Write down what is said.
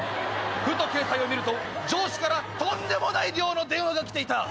［ふと携帯を見ると上司からとんでもない量の電話がきていた］